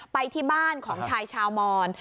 ไปที่บ้านของชายชาวมอน